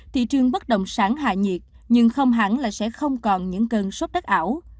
thị trường bất đồng sản hạ nhiệt nhưng không hẳn là sẽ không còn những cơn sốc đất ảo